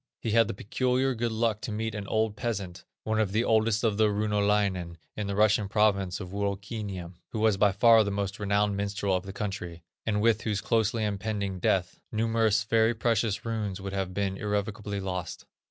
He had the peculiar good luck to meet an old peasant, one of the oldest of the runolainen in the Russian province of Wuokiniem, who was by far the most renowned minstrel of the country, and with whose closely impending death, numerous very precious runes would have been irrevocably lost.